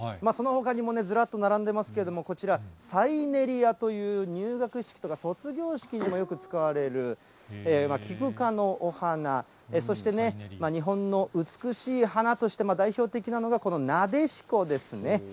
そのほかにもね、ずらっと並んでますけれども、こちら、サイネリアという入学式とか卒業式にもよく使われる、キク科のお花、そして、日本の美しい花として代表的なのが、このなでしこですね。